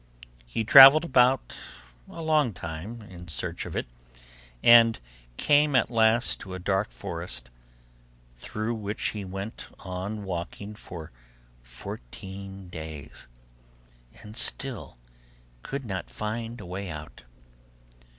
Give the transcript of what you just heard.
He travelled about a long time in search of it and came at last to a dark forest, through which he went on walking for fourteen days and still could not find a way out.